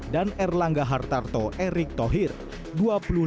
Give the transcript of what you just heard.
dan erlangga hartarto erick thohir dua puluh lima dua persen